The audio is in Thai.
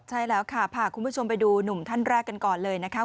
ใช่แล้วค่ะพาคุณผู้ชมไปดูหนุ่มท่านแรกกันก่อนเลยนะคะ